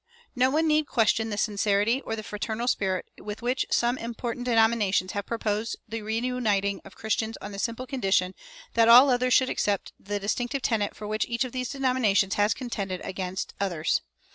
No one need question the sincerity or the fraternal spirit with which some important denominations have each proposed the reuniting of Christians on the simple condition that all others should accept the distinctive tenet for which each of these denominations has contended against others.